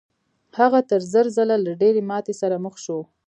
هغه تر زر ځله له ډېرې ماتې سره مخ شو.